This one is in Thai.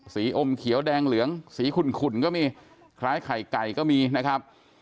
อมเขียวแดงเหลืองสีขุ่นก็มีคล้ายไข่ไก่ก็มีนะครับ